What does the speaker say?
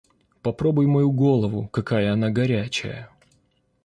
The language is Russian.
Попробуй мою голову, какая она горячая.